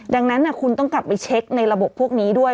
ดังนั้นคุณต้องกลับไปเช็คในระบบพวกนี้ด้วย